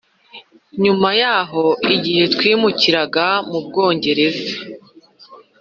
Nyuma yaho igihe twimukiraga mu Bwongereza